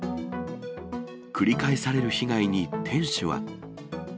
繰り返される被害に店主は。